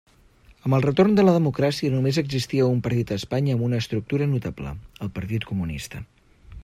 Amb el retorn de la democràcia, només existia un partit a Espanya amb una estructura notable: el Partit Comunista.